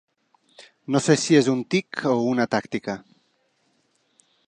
No sé si és un tic o una tàctica.